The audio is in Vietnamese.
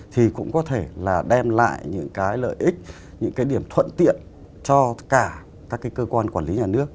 thì cũng có thể là đem lại những cái lợi ích những cái điểm thuận tiện cho cả các cái cơ quan quản lý nhà nước